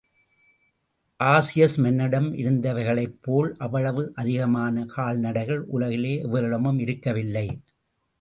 Augeas மன்னனிடம் இருந்தவைகளைப்போல் அவ்வளவு அதிகமான கால்நடைகள் உலகிலே எவரிடமும் இருக்கவில்லை.